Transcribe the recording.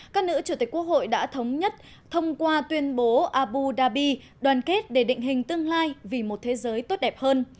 các nữ chủ tịch quốc hội đã thống nhất thông qua tuyên bố abu dhabi đoàn kết để định hình tương lai vì một thế giới tốt đẹp hơn